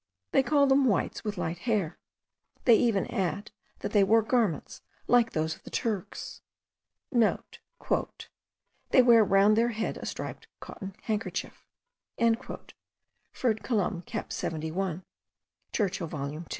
they call them 'Whites with light hair;' they even add, that they wore garments like those of the Turks.* (* "They wear round their head a striped cotton handkerchief" Ferd. Columb. cap. 71. (Churchill volume 2.)